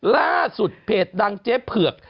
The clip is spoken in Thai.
ล่าสุดเพจดังเจ๊เผือก